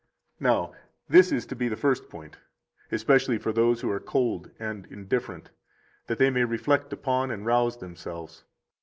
53 Now, this is to be the first point, especially for those who are cold and indifferent, that they may reflect upon and rouse themselves.